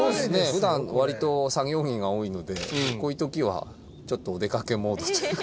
普段割と作業着が多いのでこういう時はちょっとおでかけモードというか。